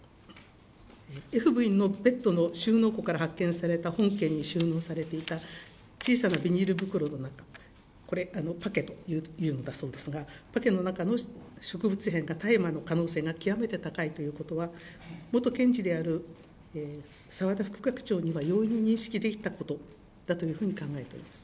Ｆ部員のベッドの収納庫から発見された本件に収納されていた小さなビニール袋の中、これ、パケというのだそうですが、パケの中の植物片が大麻の可能性が極めて高いということは、元検事である澤田副学長には容易に認識できたことだというふうに考えております。